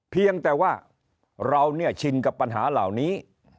เพียงแต่ว่าเราเนี่ยชินกับปัญหาเหล่านี้